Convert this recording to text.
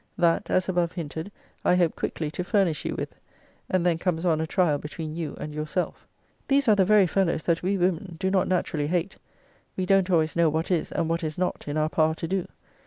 That, as above hinted, I hope quickly to furnish you with: and then comes on a trial between you and yourself. These are the very fellows that we women do not naturally hate. We don't always know what is, and what is not, in our power to do.